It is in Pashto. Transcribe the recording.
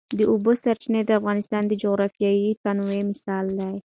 د اوبو سرچینې د افغانستان د جغرافیوي تنوع مثال دی.